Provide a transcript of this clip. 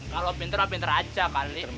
kalau pinter pinter aja kali